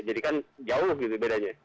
jadi kan jauh gitu bedanya